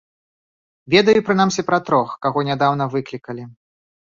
Ведаю прынамсі пра трох, каго нядаўна выклікалі.